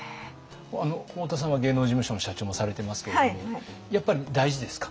太田さんは芸能事務所の社長もされてますけれどもやっぱり大事ですか？